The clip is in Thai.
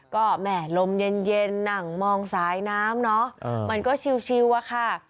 ก็แหม่ลมเย็นนั่งมองสายน้ำเนาะมันก็ชิวอะค่ะ